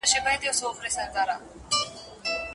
شاګرد تېره ورځ خپله مقاله استاد ته وښودله.